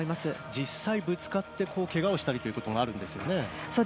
実際にぶつかって、けがをしたりもあるんですよね。